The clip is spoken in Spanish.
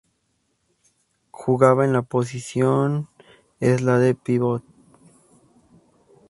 Jugaba en la posición es la de pívot.